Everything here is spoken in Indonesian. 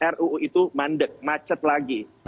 ruu itu mandek macet lagi